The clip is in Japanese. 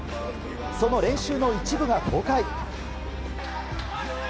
その練習の一部が公開。